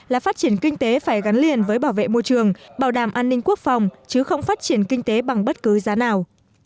là phát triển kinh tế phải gắn liền với bảo vệ môi trường bảo đảm an ninh quốc phòng chứ không phát triển kinh tế bằng bất cứ giá nào